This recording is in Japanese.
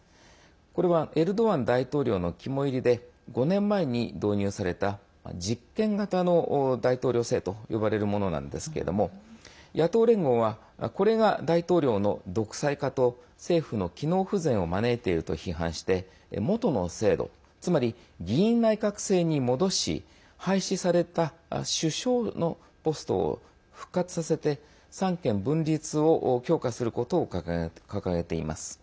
これは、エルドアン大統領の肝いりで、５年前に導入された実権型の大統領制と呼ばれるものなんですけども野党連合はこれが、大統領の独裁化と政府の機能不全を招いていると批判して元の制度つまり、議院内閣制に戻し廃止された首相のポストを復活させて三権分立を強化することを掲げています。